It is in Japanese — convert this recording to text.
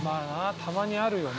たまにあるよな」